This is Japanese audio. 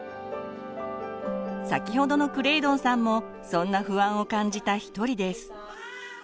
先ほどのクレイドンさんもそんな不安を感じた一人です。